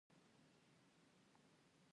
هره ورځ چایی چیښل و بدن او دماغ ته ګټه رسوي.